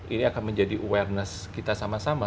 ini akan menjadi awareness kita sama sama